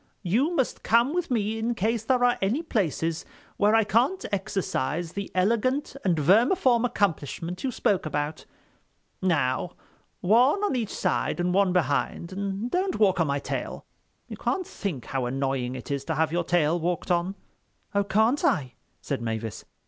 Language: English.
"You must come with me in case there are any places where I can't exercise the elegant and vermiform accomplishment you spoke about. Now, one on each side, and one behind, and don't walk on my tail. You can't think how annoying it is to have your tail walked on." [Illustration: And disappeared entirely.] "Oh, can't I," said Mavis.